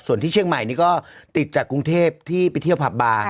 ส่วนที่เชียงใหม่นี่ก็ติดจากกรุงเทพที่ไปเที่ยวผับบาร์